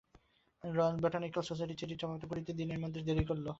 Royal Botanical Society চিঠির জবাব দিতে কুড়ি দিনের মতো দেরি করল।